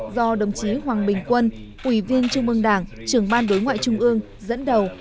do đồng chí hoàng bình quân ủy viên chung mương đảng trưởng ban đối ngoại trung ương dẫn đầu